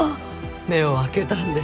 目を開けたんです。